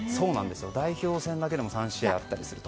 代表戦だけでも３試合あると。